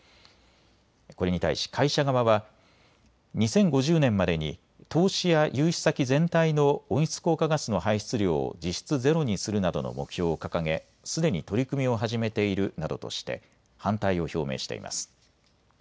これに対し会社側は２０５０年までに投資や融資先全体の温室効果ガスの排出量を実質ゼロにするなどの目標を掲げすでに取り組みを始めているなどとして反対を表明しています。